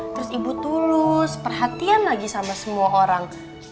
terus ibu tulus perhatian lagi sama semua orang